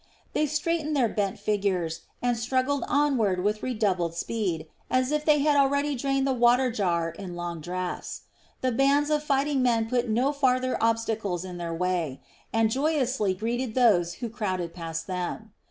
They straightened their bent figures and struggled onward with redoubled speed, as if they had already drained the water jar in long draughts. The bands of fighting men put no farther obstacles in their way, and joyously greeted those who crowded past them.